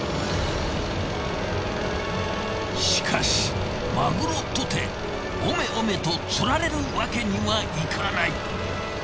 しかしマグロとておめおめと釣られるわけにはいかない。